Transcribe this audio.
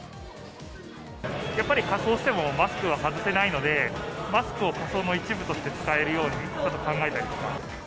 やっぱり仮装してもマスクは外せないので、マスクを仮装の一部として使えるようにちょっと考えたりとか。